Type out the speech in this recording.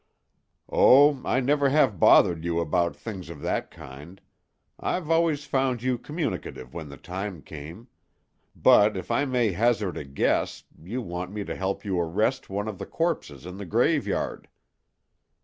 "Oh, I never have bothered you about things of that kind. I've always found you communicative when the time came. But if I may hazard a guess, you want me to help you arrest one of the corpses in the graveyard."